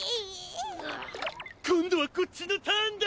今度はこっちのターンだ！